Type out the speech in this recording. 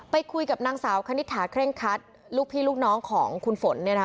ไปคุยกับนางสาวคณิตถาเคร่งคัดลูกพี่ลูกน้องของคุณฝนเนี่ยนะคะ